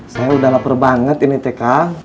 saya udah lapar banget ini teh kang